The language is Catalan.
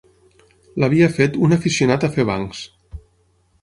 L'havia fet un aficionat a fer bancs